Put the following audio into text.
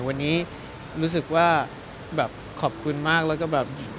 วันนี้รู้สึกว่าแบบขอบคุณมากแล้วก็แบบอย่างนี้นะครับ